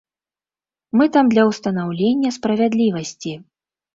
Мы там для ўстанаўлення справядлівасці.